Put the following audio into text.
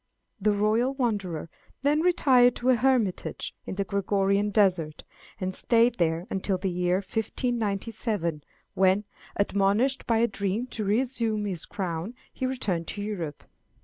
The royal wanderer then retired to a hermitage in the Georgian desert, and stayed there until the year 1597, when, admonished by a dream to resume his crown, he returned to Europe.